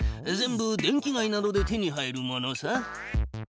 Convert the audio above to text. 全部電気街などで手に入るものさ。